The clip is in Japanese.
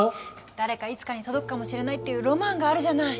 誰かいつかに届くかもしれないっていうロマンがあるじゃない？